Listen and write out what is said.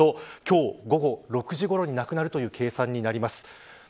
日本時間だと、今日午後６時ごろになくなるという計算になります。